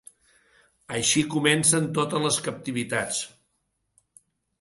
Així comencen totes les captivitats.